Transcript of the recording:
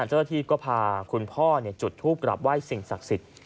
เจ้าหน้าที่ก็พาคุณพ่อจุดทูปกลับไหว้สิ่งศักดิ์สิทธิ์